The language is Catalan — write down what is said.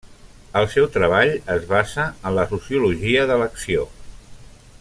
El seu treball es basa en la sociologia de l'acció.